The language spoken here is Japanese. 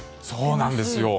そうなんです。